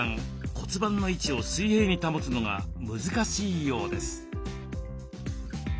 骨盤の位置を水平に保つのが難しいようです。